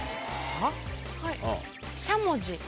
はい。